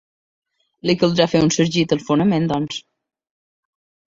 Li caldrà fer un sargit als fonaments, doncs.